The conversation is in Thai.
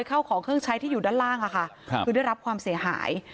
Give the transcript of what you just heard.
เข้าของเครื่องใช้ที่อยู่ด้านล่างคือได้รับความเสียหาย